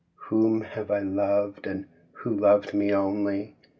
Whom have I loved, and who loved me only?